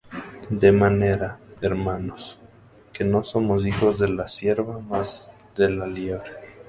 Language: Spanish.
De manera, hermanos, que no somos hijos de la sierva, mas de la libre.